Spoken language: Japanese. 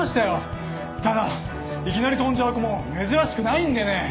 ただいきなり飛んじゃう子も珍しくないんでね。